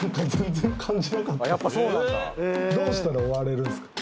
どうしたら終われるんですか？